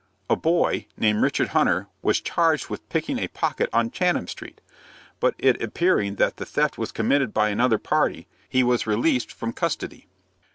'A boy, named Richard Hunter, was charged with picking a pocket on Chatham Street; but it appearing that the theft was committed by another party, he was released from custody.'"